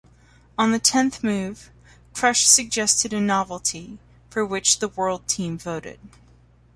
On the tenth move, Krush suggested a novelty, for which the World Team voted.